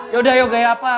yaudah yuk gaya apa